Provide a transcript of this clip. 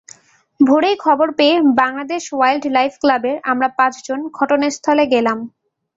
ভোরেই খবর পেয়ে Bangladesh wild life ক্লাবের আমরা পাঁচজন ঘটনাস্থলে গেলাম।